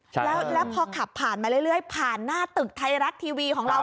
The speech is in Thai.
แล้วพอขับผ่านมาเรื่อยผ่านหน้าตึกไทยรัฐทีวีของเรา